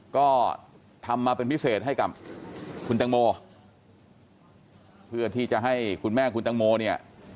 ก็ทำมาเป็นพิเศษให้กับคุณตังโมเพื่อที่จะให้คุณแม่คุณตังโมเนี่ย